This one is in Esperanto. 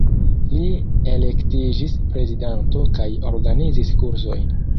Li elektiĝis prezidanto kaj organizis kursojn.